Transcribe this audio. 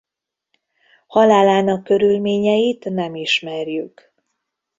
Halálának körülményeit nem ismerjük.